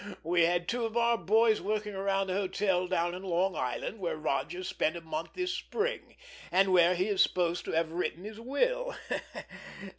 "We had two of our boys working around the hotel down on Long Island where Rodgers spent a month this spring, and where he is supposed to have written the will.